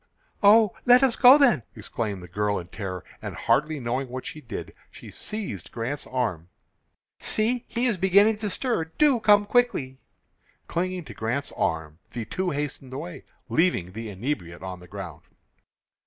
"Oh, let us go then," exclaimed the girl in terror, and, hardly knowing what she did, she seized Grant's arm. "See, he is beginning to stir. Do come quickly!" Clinging to Grant's arm, the two hastened away, leaving the inebriate on the ground.